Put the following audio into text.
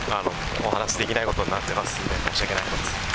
お話できないことになっていますので、申し訳ないです。